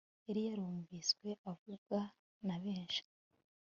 Yari yarumviswe avuga na benshi